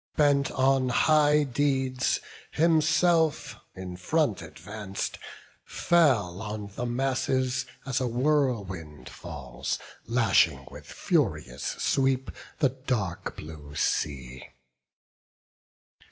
Bent on high deeds, himself in front advanc'd, Fell on the masses as a whirlwind falls, Lashing with furious sweep the dark blue sea.